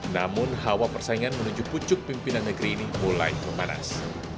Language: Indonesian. namun hawa persaingan menuju pucuk pimpinan negeri ini mulai memanas